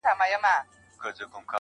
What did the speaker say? د يو مئين سړي ژړا چي څوک په زړه وچيچي~